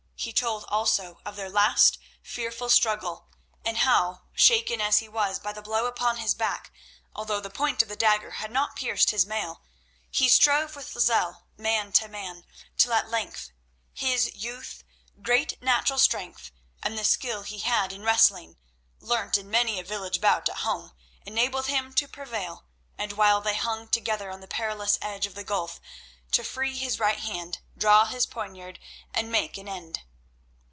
He told also of their last fearful struggle, and how, shaken as he was by the blow upon his back, although the point of the dagger had not pierced his mail, he strove with Lozelle, man to man; till at length his youth, great natural strength, and the skill he had in wrestling, learnt in many a village bout at home, enabled him to prevail, and, while they hung together on the perilous edge of the gulf, to free his right hand, draw his poniard, and make an end.